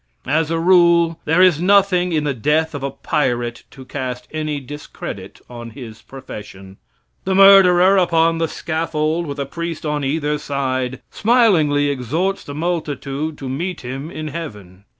As a rule there is nothing in the death of a pirate to cast any discredit on his profession. The murderer upon the scaffold, with a priest on either side, smilingly exhorts the multitude to meet him in heaven.